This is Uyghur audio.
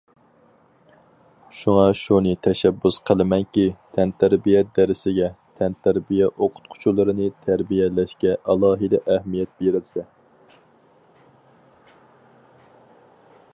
شۇڭا شۇنى تەشەببۇس قىلىمەنكى، تەنتەربىيە دەرسىگە، تەنتەربىيە ئوقۇتقۇچىلىرىنى تەربىيەلەشكە ئالاھىدە ئەھمىيەت بېرىلسە.